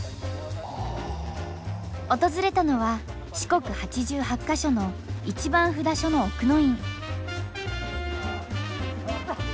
訪れたのは四国八十八か所の一番札所の「奥の院」。